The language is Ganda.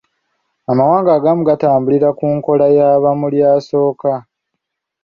Amawanga agamu gatambulira ku nkola ya bamulya-asooka.